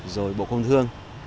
rồi bộ công thương